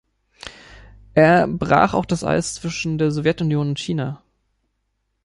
Er brach auch das Eis zwischen der Sowjetunion und China.